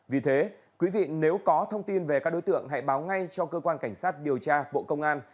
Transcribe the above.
vì thế quý vị nếu có thông tin về các đối tượng hãy báo ngay cho cơ quan cảnh sát điều tra bộ công an